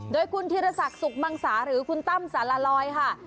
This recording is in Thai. โดยคุณธีรศักดิ์สุขมังสาหรือคุณตั้มสารลอยค่ะ